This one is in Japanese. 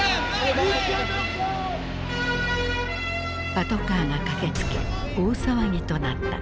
パトカーが駆けつけ大騒ぎとなった。